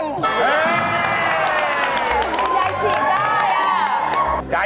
ยายฉีดได้